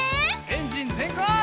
エンジンぜんかい！